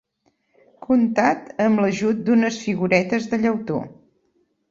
Contat amb l'ajut d'unes figuretes de llautó.